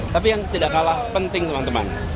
tapi yang tidak kalah penting teman teman